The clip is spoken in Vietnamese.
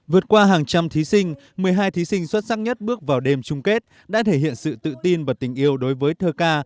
vượt qua hàng trăm thí sinh một mươi hai thí sinh xuất sắc nhất bước vào đêm chung kết đã thể hiện sự tự tin và tình yêu đối với thơ ca